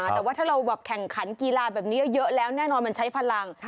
แต่ว่าถ้าเราแบบแข่งขันกีฬาแบบนี้เยอะแล้วแน่นอนมันใช้พลัง